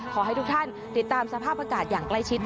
ขอให้ทุกท่านติดตามสภาพอากาศอย่างใกล้ชิด